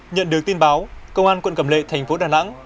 nhận được tin báo công an quận cầm lệ thành phố đà nẵng